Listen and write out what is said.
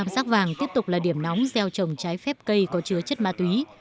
một sắc vàng tiếp tục là điểm nóng gieo trồng trái phép cây có chứa chất ma túy